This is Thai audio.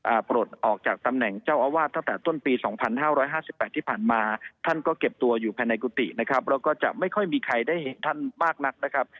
ปลดออกจากตำแหน่งเจ้าอาวาสตั้งแต่ต้นปีสองพันห้าร้อยห้าสิบแปดที่ผ่านมาท่านก็เก็บตัวอยู่ภายในกุฏินะครับแล้วก็จะไม่ค่อยมีใครได้ท่านมากนักนะครับ